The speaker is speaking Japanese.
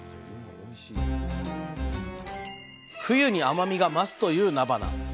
冬に甘みが増すというなばな。